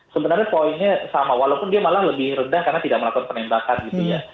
sebenarnya poinnya sama walaupun dia malah lebih rendah karena tidak melakukan penembakan gitu ya